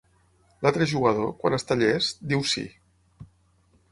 L'altre jugador, quan està llest, diu "Sí".